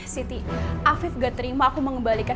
siti afif gak terima aku mengembalikan